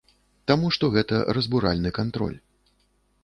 Таму што гэта разбуральны кантроль.